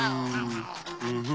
うん。